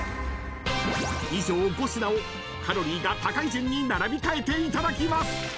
［以上５品をカロリーが高い順に並び替えていただきます］